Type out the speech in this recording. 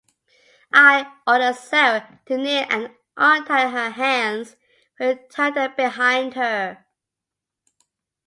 I ordered Sarah to kneel and untied her hands, retying them behind her.